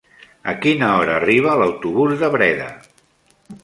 A quina hora arriba l'autobús de Breda?